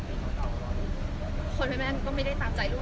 ไม่ใช่นี่คือบ้านของคนที่เคยดื่มอยู่หรือเปล่า